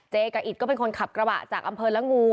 กับอิตก็เป็นคนขับกระบะจากอำเภอละงู